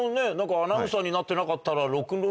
アナウンサーになってなかったら。